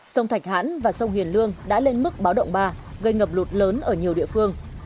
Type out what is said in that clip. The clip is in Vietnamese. sông thạch hãn và sông hiền lương đã lên mức báo động ba gây ngập lụt lớn ở nhiều địa phương